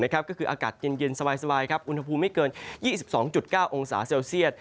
ก็คืออากาศเย็นสบายอุณหภูมิไม่เกิน๒๒๙องศาเซลเซียต